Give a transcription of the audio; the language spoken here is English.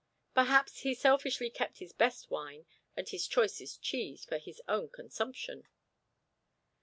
Perhaps he selfishly kept his best wine and his choicest cheese for his own consumption.